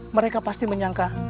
mereka pasti menyangka